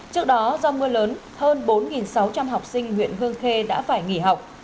trước đó do mưa lớn hơn bốn sáu trăm linh học sinh huyện hương khê đã phải nghỉ học